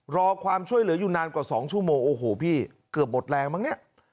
รอความช่วยเหลืออยู่นานกว่า๒ชั่วโมงโอ้โหพี่เกือบหมดแรงมั้งเนี่ย